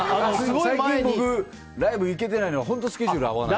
最近、僕全然ライブ僕行けてないのは本当にスケジュールが合わないから。